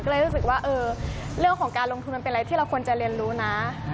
ก็เลยรู้สึกว่าเออเรื่องของการลงทุนมันเป็นอะไรที่เราควรจะเรียนรู้นะ